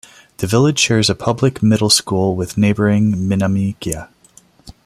The village shares a public middle school with neighboring Minamiaika.